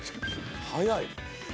早い。